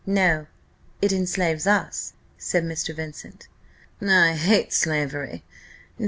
"No; it enslaves us," said Mr. Vincent. "I hate slavery!